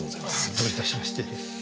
どういたしまして。